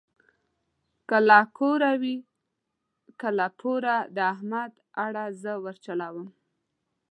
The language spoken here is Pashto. که له کوره وي که له پوره د احمد اړه زه ورچلوم.